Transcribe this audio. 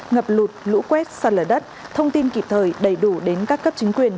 ngập lụt lũ quét sạt lở đất thông tin kịp thời đầy đủ đến các cấp chính quyền